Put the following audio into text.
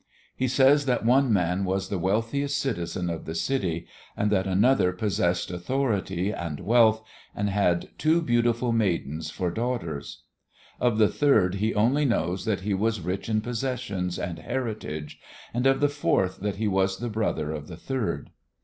He says that one man was the wealthiest citizen of the city and that another possessed authority and wealth and "had two beautiful maidens for daughters"; of the third he only knows that he was rich in possessions and heritage, and of the fourth that he was the brother of the third.